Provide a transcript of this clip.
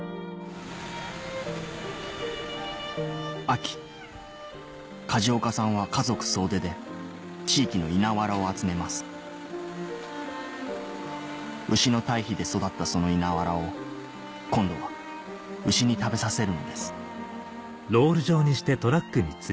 秋梶岡さんは家族総出で地域の稲ワラを集めます牛の堆肥で育ったその稲ワラを今度は牛に食べさせるのです